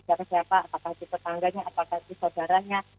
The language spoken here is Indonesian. apakah si tetangganya apakah si saudaranya